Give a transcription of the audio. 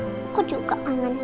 aku juga kangen